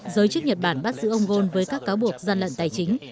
giới chức nhật bản bắt giữ ông ghosn với các cáo buộc gian lận tài chính